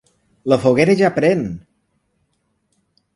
La foguera ja pren!